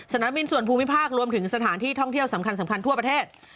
สนามบินส่วนภูมิภาครวมถึงสถานที่ท่องเที่ยวสำคัญทั่วประเทศ